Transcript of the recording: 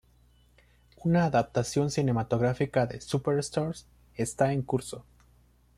Una adaptación cinematográfica de "Superstars" esta en curso.